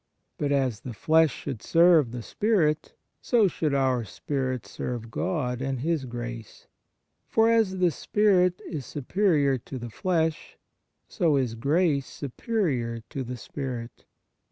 But as the flesh should serve the spirit, so should our spirit serve God and His grace ; for as the spirit is superior to the flesh, so is grace superior to the spirit.